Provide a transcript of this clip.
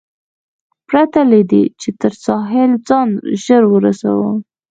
پرته له دې، چې تر ساحل ځان ژر ورسوم.